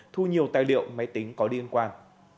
thu nhiều tài liệu máy tính có liên quan